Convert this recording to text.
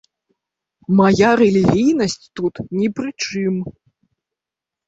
Мая рэлігійнасць тут не пры чым.